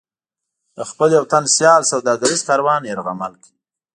د خپل یو تن سیال سوداګریز کاروان یرغمل کړ.